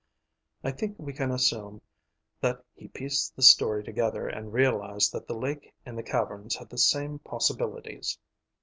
I think we can assume that he pieced the story together and realized that the lake in the caverns had the same possibilities.